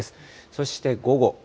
そして午後。